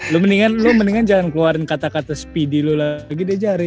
lu mendingan jangan keluarin kata kata speedy lagi deh jare